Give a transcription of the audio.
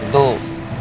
tidak ada apa apa